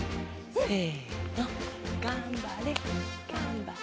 せのがんばれがんばれ！